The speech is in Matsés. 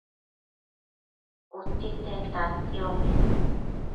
utsitsen tantiombi